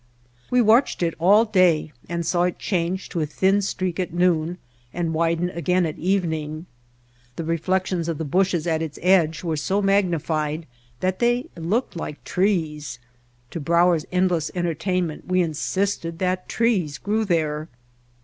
We watched it all day and saw it change to a thin streak at noon and widen again at evening. The reflections of the bushes at its edge were so magnified that they looked like trees. To Brauer's endless entertainment we in sisted that trees grew there.